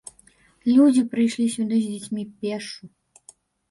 Людзі прыйшлі сюды з дзецьмі пешшу.